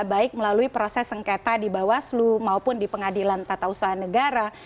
baik melalui proses sengketa di bawaslu maupun di pengadilan tata usaha negara